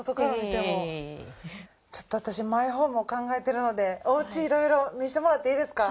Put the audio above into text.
ちょっと私マイホームを考えているのでお家いろいろ見せてもらっていいですか？